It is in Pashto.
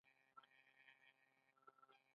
ځکه هغوی نسبتا شتمن او مخکښ وو.